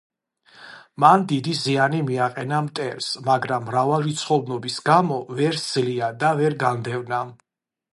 მან დიდი ზიანი მიაყენა მტერს, მაგრამ მრავალრიცხოვნობის გამო ვერ სძლია და ვერ განდევნა.